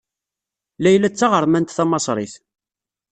Layla d taɣermant tamaṣrit.